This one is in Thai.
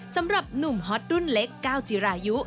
สำหรับหนุ่มฮอตรุ่นเล็กก้าวจิรายุ